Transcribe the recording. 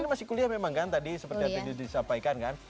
ini masih kuliah memang kan tadi seperti apa yang disampaikan kan